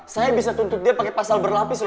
saya bisa tuntut dia pakai pasal berlapis loh